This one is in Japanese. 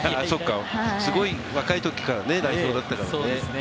すごい若いときから代表だったからね。